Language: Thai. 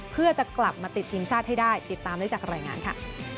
เพื่อจะกลับมาติดทีมชาติให้ได้ติดตามได้จากรายงานค่ะ